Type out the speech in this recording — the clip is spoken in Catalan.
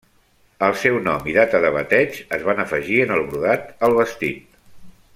El seu nom i data de bateig es van afegir en el brodat al vestit.